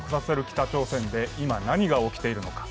北朝鮮で今、何が起きているのか。